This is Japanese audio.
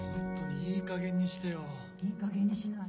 ・いいかげんにしない。